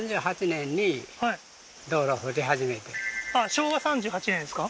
昭和３８年ですか？